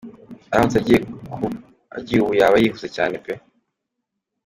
Aramutse agiye ubu yaba yihuse cyane pe.